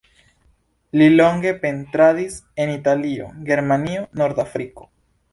Li longe pentradis en Italio, Germanio, Norda Afriko.